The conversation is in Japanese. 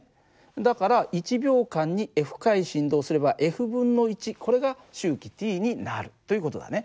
だから１秒間に回振動すればこれが周期Ｔになるという事だね。